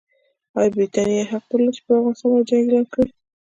ایا برټانیې حق درلود چې پر افغانستان باندې جنګ اعلان کړي؟